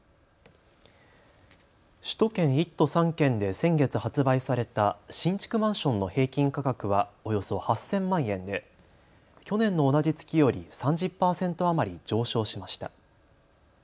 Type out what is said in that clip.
首都圏１都３県で先月発売された新築マンションの平均価格はおよそ８０００万円で去年の同じ月より３０％余り上昇しました。